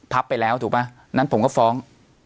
ไปแล้วถูกป่ะนั้นผมก็ฟ้อง